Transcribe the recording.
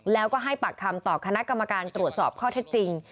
แล้วก็ให้ปากคำต่อคณะกรรมการตรวจสอบข้อเท็จจริง